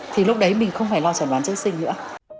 thì lúc đấy mình không phải lo chẩn đoán trước sinh nữa